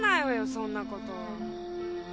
そんなこと。